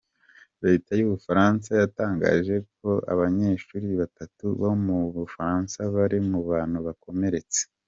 Leta y'Ubufaransa yatangaje ko abanyeshuri batatu bo mu Bufaransa bari mu bantu bakomeretse.